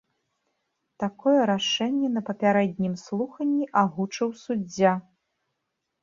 Такое рашэнне на папярэднім слуханні агучыў суддзя.